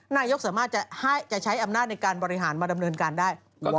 นายกสามารถจะใช้อำนาจในการบริหารมาดำเนินการได้